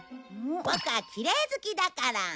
ボクはきれい好きだから。